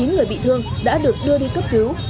một mươi chín người bị thương đã được đưa đi cấp cứu